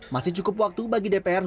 masih cukup waktu untuk mencari perjuangan